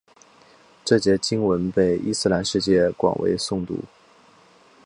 这节经文被伊斯兰世界广为诵读。